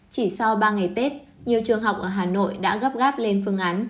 chỉ sau ba ngày tết nhiều trường học ở hà nội đã gấp gáp lên phương án